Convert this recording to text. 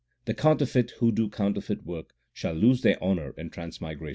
The counterfeit who do counterfeit work, shall lose their honour in transmigration.